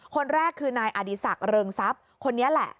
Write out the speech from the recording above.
คนแรกคือนายอดีศักดิ์เริงทรัพย์คนนี้แหละ